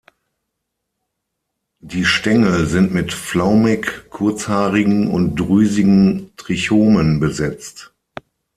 Die Stängel sind mit flaumig-kurzhaarigen und drüsigen Trichomen besetzt.